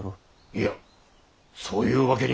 いやそういうわけには。